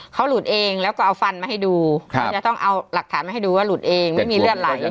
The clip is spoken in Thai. เขาหลุดเองแล้วก็ฟันมาให้ดูจะต้องเอาหลักฐานมาให้ดูไม่มีเลือดไหล